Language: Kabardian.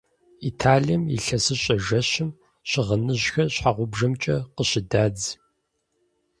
Италием ИлъэсыщӀэ жэщым щыгъыныжьхэр щхьэгъубжэмкӀэ къыщыдадз.